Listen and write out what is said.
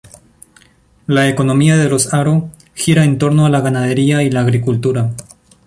La economía de Los Haro gira en torno a la ganadería y la agricultura